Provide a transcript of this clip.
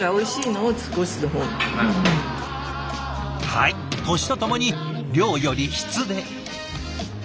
はい年とともに量より質で。